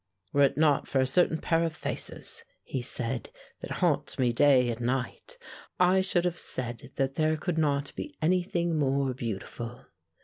"Were it not for a certain pair of faces," he said, "that haunt me day and night I should have said that there could not be anything more beautiful."